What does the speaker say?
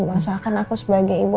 masakan aku sebagai ibu